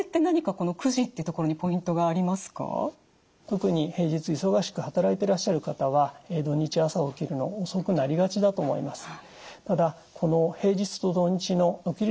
特に平日忙しく働いてらっしゃる方は土日朝起きるの遅くなりがちだと思います。